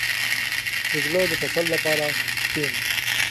• د زړه د تسل لپاره کښېنه.